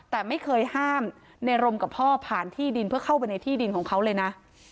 แต่ไม่เคยห้ามในรมกับพ่อผ่านที่ดินเพื่อเข้าไปในที่ดินของเขาเลยนะ